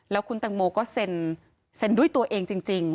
แล้วคุณตังโมก็เซ็นด้วยตัวเองจริง